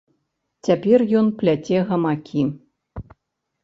Цяпер ён пляце гамакі.